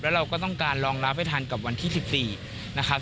แล้วเราก็ต้องการรองรับให้ทันกับวันที่๑๔นะครับ